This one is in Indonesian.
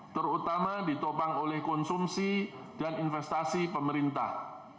terutama ditopang oleh konsumsi dan investasi pemerintah